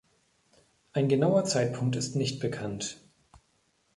Ein genauer Zeitpunkt ist nicht bekannt.